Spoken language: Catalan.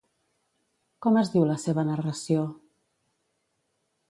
Com es diu la seva narració?